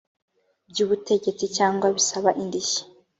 by ubutegetsi cyangwa bisaba indishyi